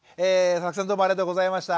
佐々木さんありがとうございました。